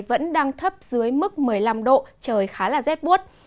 vẫn đang thấp dưới mức một mươi năm độ trời khá là rét buốt